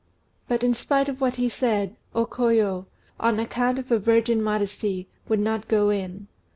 But, in spite of what he said, O Koyo, on account of her virgin modesty, would not go in.